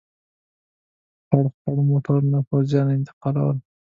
خړ خړ موټرونه پوځیان انتقالول.